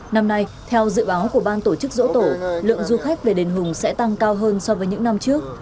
năm nay theo dự báo của ban tổ chức dỗ tổ lượng du khách về đền hùng sẽ tăng cao hơn so với những năm trước